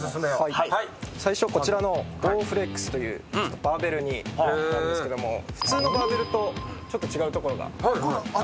最初こちらのＢｏｗｆｌｅｘというバーベルになるんですけども普通のバーベルとちょっと違うところが。